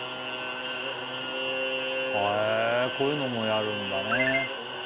こういうのもやるんだね。